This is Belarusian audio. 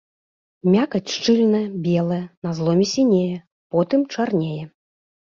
Мякаць шчыльная, белая, на зломе сінее, потым чарнее.